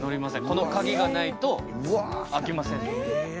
この鍵がないと開きませんので。